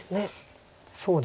そうですね